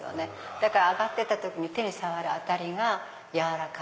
だから上がってった時に手に触る当たりがやわらかい。